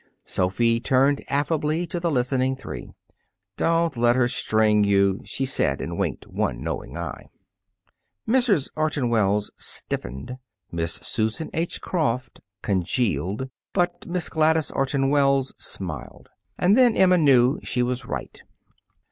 Sophy turned affably to the listening three. "Don't let her string you," she said, and winked one knowing eye. Mrs. Orton Wells stiffened. Miss Susan H. Croft congealed. But Miss Gladys Orton Wells smiled. And then Emma knew she was right.